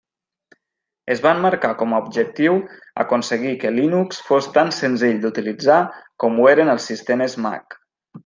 Es van marcar com a objectiu aconseguir que Linux fos tan senzill d'utilitzar com ho eren els sistemes Mac.